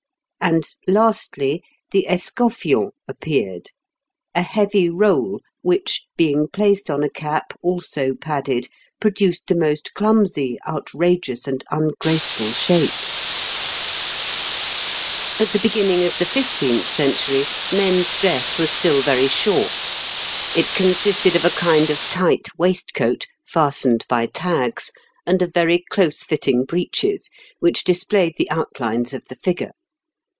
And, lastly, the escoffion appeared a heavy roll, which, being placed on a cap also padded, produced the most clumsy, outrageons, and ungraceful shapes (Fig. 424). At the beginning of the fifteenth century men's dress was still very short. It consisted of a kind of tight waistcoat, fastened by tags, and of very close fitting breeches, which displayed the outlines of the figure.